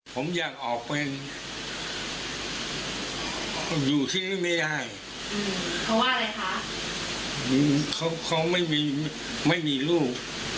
ผมอยากออกไปอยู่ที่ไม่ได้เขาไม่มีลูก